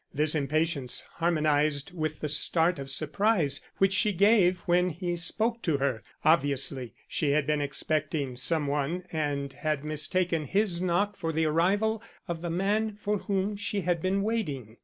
This impatience harmonized with the start of surprise which she gave when he spoke to her. Obviously she had been expecting some one and had mistaken his knock for the arrival of the man for whom she had been waiting.